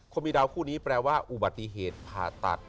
คนมีดาวคู่นี้แปลว่าอุบัติเหตุผ่าตัด